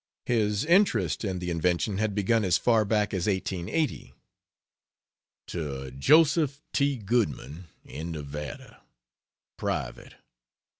His interest in the invention had begun as far back as 1880. To Joseph T. Goodman, in Nevada: Private.